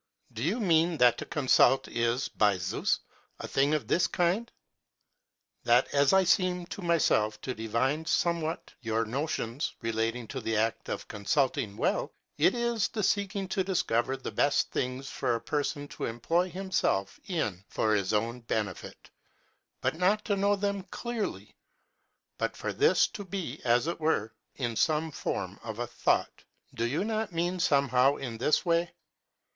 Do you mean that to consult is, by Zeus, a thing of this kind; that, as I seem to myself to divine somewhat your notions relating to the act of consulting well, it is the seeking to discover the best things for a person to employ himself in for his own benefit, but not to know them clearly, but for this to be, as it were, in some form of a thought ?? Do you not mean somehow in this way.